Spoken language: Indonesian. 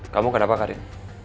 kamu kenapa karin